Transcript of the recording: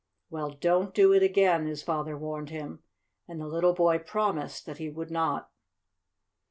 "Well, don't do it again," his father warned him, and the little boy promised that he would not.